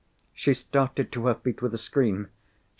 She started to her feet with a scream.